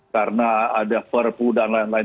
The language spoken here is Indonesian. karena ada perpu dan lain lain